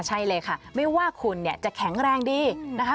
ใช่เลยค่ะไม่ว่าคุณเนี่ยจะแข็งแรงดีนะคะ